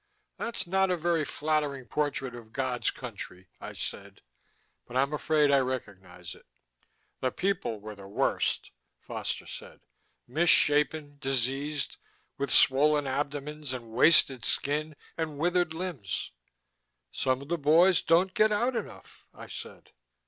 "That's not a very flattering portrait of God's country," I said, "but I'm afraid I recognize it." "The people were the worst," Foster said. "Misshapen, diseased, with swollen abdomens and wasted skin and withered limbs." "Some of the boys don't get out enough," I said.